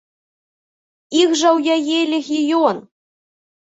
Іх жа ў яе легіён!